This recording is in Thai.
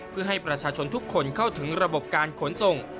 เพื่อให้ประชาชนทุกคนเข้าถึงระบบการขนส่ง